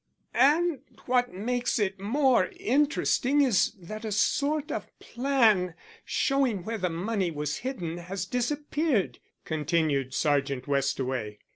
"And what makes it more interesting is that a sort of plan showing where the money was hidden has disappeared," continued Sergeant Westaway.